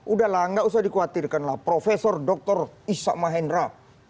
udahlah gak usah dikhawatirkan lah profesor dokter isra mahendra